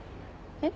えっ？